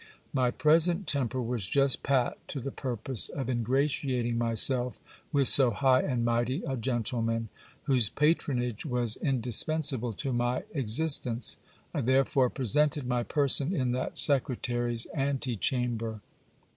My present temper was just pat to the purpose of in gratiating myself with so high and mighty a gentleman ; whose patronage was indispensable to my existence. I therefore presented my person in that secre tary's ante chamber.